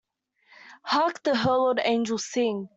Hark the Herald Angels sing.